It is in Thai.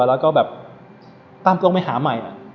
แล้วก็แบบต้องไปหาใหม่อะ